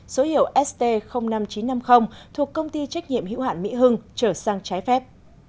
số hiệu st năm nghìn chín trăm năm mươi thuộc công ty trách nhiệm hữu hạn mỹ hưng trở sang trái phép